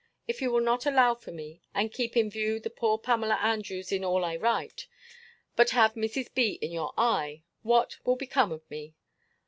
If you will not allow for me, and keep in view the poor Pamela Andrews in all I write, but have Mrs. B. in your eye, what will become of me?